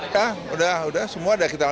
ya udah udah semua ada